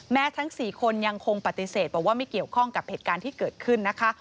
ทั้ง๔คนยังคงปฏิเสธบอกว่าไม่เกี่ยวข้องกับเหตุการณ์ที่เกิดขึ้นนะคะ